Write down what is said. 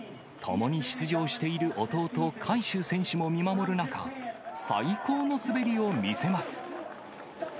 ともに出場している弟、海祝選手も見守る中、最高の滑りを見せます。